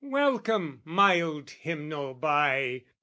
"Welcome, mild hymnal by...